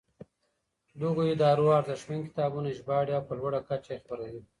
دغو ادارو ارزښتمن کتابونه ژباړي او په لوړه کچه یې خپروي.